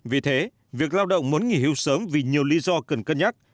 vì thế việc lao động muốn nghỉ hưu sớm vì nhiều lý do cần cân nhắc